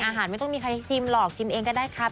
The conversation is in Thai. ไม่ต้องมีใครให้ชิมหรอกชิมเองก็ได้ครับ